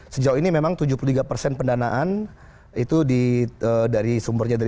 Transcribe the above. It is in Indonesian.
sudah jelas perkumpulan golf